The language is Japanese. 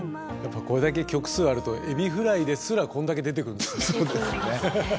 これだけ曲数あると「エビフライ」ですらこんだけ出てくるんですね。